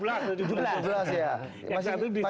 yang satu ditembakkan